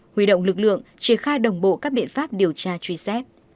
huy động lực lượng triển khai đồng bộ các biện pháp điều tra truy xét